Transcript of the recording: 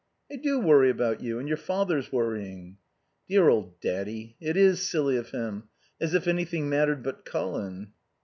"I do worry about you. And your father's worrying." "Dear old Daddy. It is silly of him. As if anything mattered but Colin."